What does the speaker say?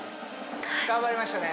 頑張りましたね